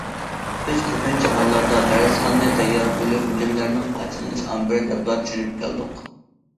بىز كۆپىنچە ھاللاردا دەرسخانىنى تەييار، ئۆلۈك بىلىملەرنىڭ قاچىلىنىش ئامبىرى دەپلا چۈشىنىپ كەلدۇق.